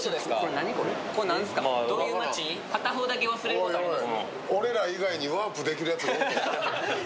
片方だけ忘れることあります？